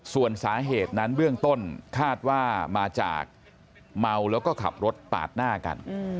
ส่วนสาเหตุนั้นเบื้องต้นคาดว่ามาจากเมาแล้วก็ขับรถปาดหน้ากัน